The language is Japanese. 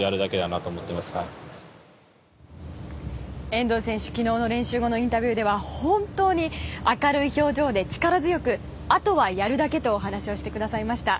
遠藤選手、昨日の練習後のインタビューでは本当に明るい表情で力強くあとはやるだけとお話をしてくださいました。